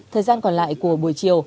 thời gian còn lại của buổi chiều